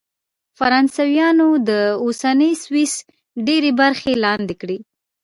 فرانسویانو د اوسني سویس ډېرې برخې لاندې کړې.